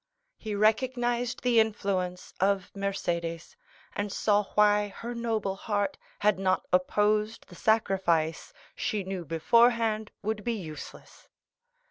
He recognized the influence of Mercédès, and saw why her noble heart had not opposed the sacrifice she knew beforehand would be useless.